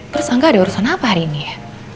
terus angga ada urusan apa hari ini ya